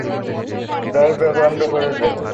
দরজা বন্ধ করে দে!